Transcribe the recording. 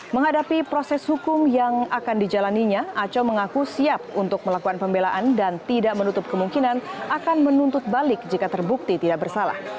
menghadapi proses hukum yang akan dijalaninya aco mengaku siap untuk melakukan pembelaan dan tidak menutup kemungkinan akan menuntut balik jika terbukti tidak bersalah